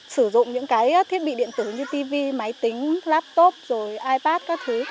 sử dụng những cái thiết bị điện tử như tv máy tính laptop rồi ipad các thứ